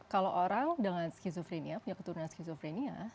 kalau orang dengan schizophrenia punya keturunan schizophrenia